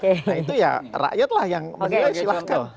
nah itu ya rakyat lah yang menilai silahkan